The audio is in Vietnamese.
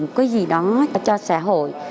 một cái gì đó cho xã hội